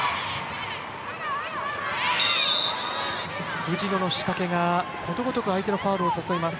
藤野の仕掛けがことごとく相手のファウルを誘います。